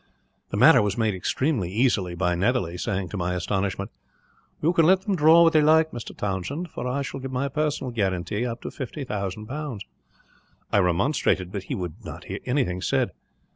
"The matter was made extremely easy by Netherly saying, to my astonishment: "'You can let them draw what they like, Mr. Townshend, for I will give my personal guarantee, up to 50,000 pounds.' "I remonstrated, but he would not hear anything said.